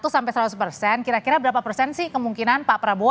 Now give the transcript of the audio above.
satu sampai seratus persen kira kira berapa persen sih kemungkinan pak prabowo